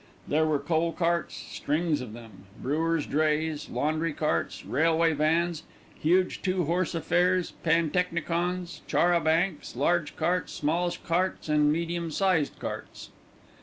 There were coal carts, strings of them, brewers' drays, laundry carts, railway vans, huge two horse affairs, pantechnicons, char a bancs, large carts, small carts, and medium sized carts.